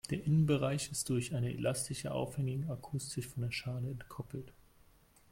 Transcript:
Der Innenbereich ist durch eine elastische Aufhängung akustisch von der Schale entkoppelt.